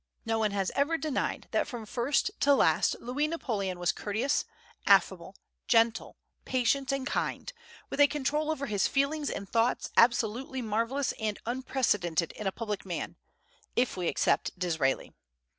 No one has ever denied that from first to last Louis Napoleon was courteous, affable, gentle, patient, and kind, with a control over his feelings and thoughts absolutely marvellous and unprecedented in a public man, if we except Disraeli.